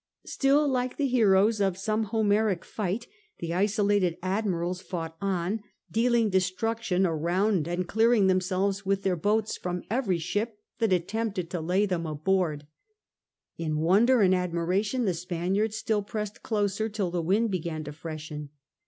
Still, like the heroes of some Homeric fight, the iso lated admirals fought on, dealing destruction around and M i62 SIR FRANCIS DRAKE ohap. clearing themselves with their boats from every ship that attempted to lay them aboard. In wonder and admira tion the Spaniards still pressed closer till the wind began to freshen.